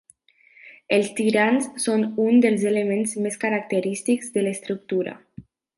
Els tirants són uns dels elements més característics de l’estructura.